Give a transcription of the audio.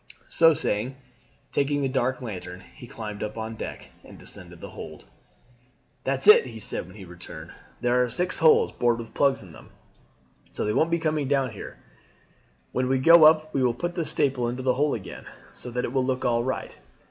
So saying, taking the dark lantern he climbed up on deck, and descended the hold. "That's it," he said when he returned; "there are six holes bored with plugs in them, so they won't be coming down here. When we go up we will put the staple into its hole again, so that it will look all right.